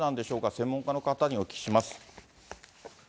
専門家の方にお聞きします。